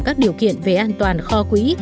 các điều kiện về an toàn kho quỹ